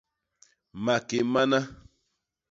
Maké mana!